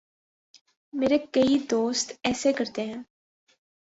میرے کئی دوست ایسے کرتے ہیں۔